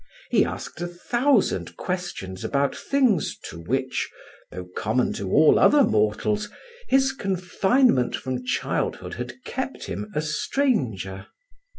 He asked a thousand questions about things to which, though common to all other mortals, his confinement from childhood had kept him a stranger.